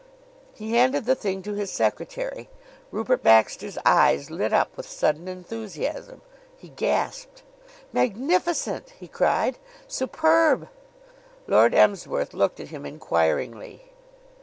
He handed the thing to his secretary. Rupert Baxter's eyes lit up with sudden enthusiasm. He gasped. "Magnificent!" he cried. "Superb!" Lord Emsworth looked at him inquiringly.